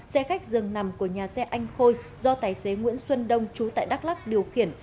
xe khách dường nằm của nhà xe anh khôi do tài xế nguyễn xuân đông chú tại đắk lắc điều khiển